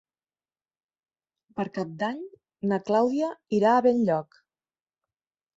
Per Cap d'Any na Clàudia irà a Benlloc.